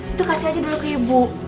itu kasih aja dulu ke ibu